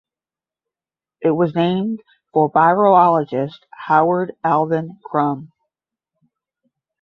It was named for bryologist Howard Alvin Crum.